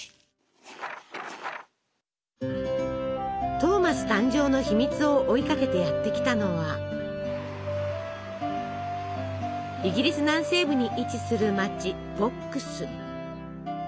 トーマス誕生の秘密を追いかけてやって来たのはイギリス南西部に位置する町ボックス。